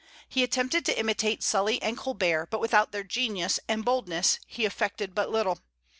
He attempted to imitate Sully and Colbert, but without their genius and boldness he effected but little.